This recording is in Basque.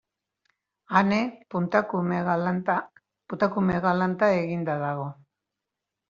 Ane putakume galanta eginda dago.